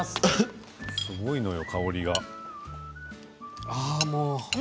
すごいのよ香りが。